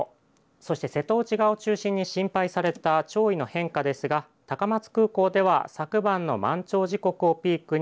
そして瀬戸内側を中心に心配された潮位の変化ですが高松空港では昨晩の満潮時刻をピークに